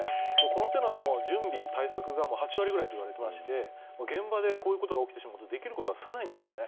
この手は、準備、対策が８割といわれていまして現場でこういうことが起きてしまうとできることは少ないんですね。